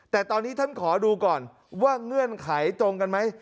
แต่ตอนนี้ท่านขอดูก่อนว่าเงื่อนไขตรงกันไหม